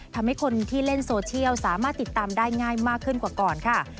ทำให้คนที่เล่นโซเชียลสามารถติดตามได้ง่ายมากขึ้นกว่าก่อนค่ะ